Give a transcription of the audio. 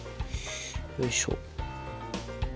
よいしょ。